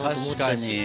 確かに！